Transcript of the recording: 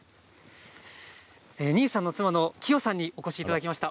新居さんの妻の希予さんにお越しいただきました。